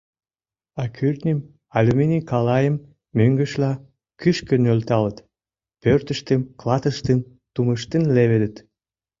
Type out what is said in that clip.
А кӱртньым, алюминий калайым, мӧҥгешла, кӱшкӧ нӧлталыт: пӧртыштым, клатыштым тумыштен леведыт.